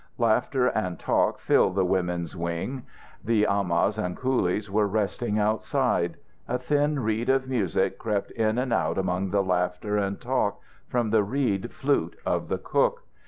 Laughter and talk filled the women's wing. The amahs and coolies were resting outside. A thin reed of music crept in and out among the laughter and talk, from the reed flute of the cook.